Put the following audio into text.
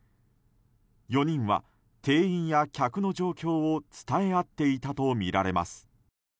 ４人は店員や客の状況を伝え合っていたとみられます。